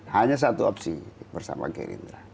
hanya satu opsi bersama gerindra